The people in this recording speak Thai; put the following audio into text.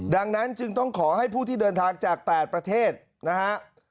ดังนั้นจึงต้องขอให้ผู้ที่เดินทางจาก๘ประเทศนะฮะ